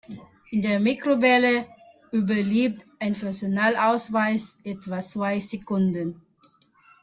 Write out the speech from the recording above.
In der Mikrowelle überlebt ein Personalausweis etwa zwei Sekunden.